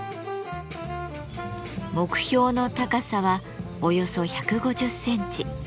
目標の高さはおよそ１５０センチ。